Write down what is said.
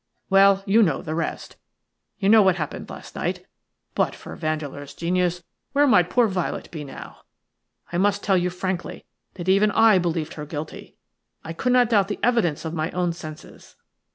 "Well, you know the rest. You know what happened last night. But for Vandeleur's genius, where might poor Violet be now? I must tell you frankly that even I believed her guilty; I could not doubt the evidence of my own senses.